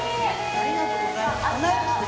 ありがとうございます。